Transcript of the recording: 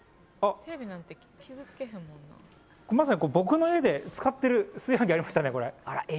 まさに僕の家で使ってる炊飯器ありましたね。